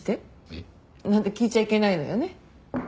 えっ？なんて聞いちゃいけないのよね。